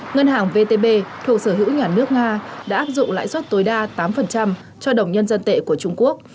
ngân hàng vtb thuộc sở hữu nhà nước nga đã áp dụng lãi suất tối đa tám cho đồng nhân dân tệ của trung quốc